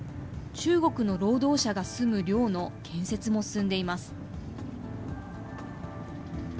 中国の労働者が住む寮の建設も進んでいます。